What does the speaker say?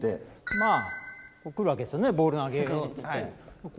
まあこう来るわけですよねボールなげっつって。